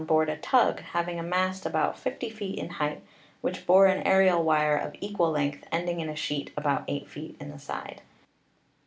board a tug, having a mast about 50 feet in height, which bore an aerial wire of equal length ending in a sheet about 8 feet in the side.